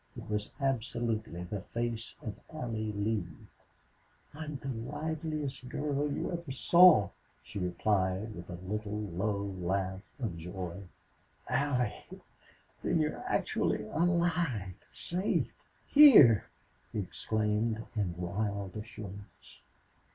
It was absolutely the face of Allie Lee. "I'm the livest girl you ever saw," she replied, with a little low laugh of joy. "Allie then you're actually alive safe here!" he exclaimed, in wild assurance.